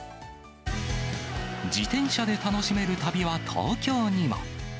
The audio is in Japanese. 自転車で楽しめる旅は東京にも。